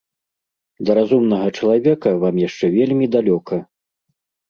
Да разумнага чалавека вам яшчэ вельмі далёка.